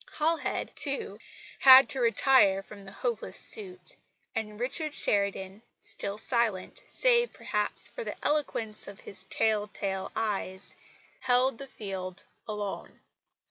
Halhed, too, had to retire from the hopeless suit; and Richard Sheridan, still silent, save, perhaps, for the eloquence of tell tale eyes, held the field alone.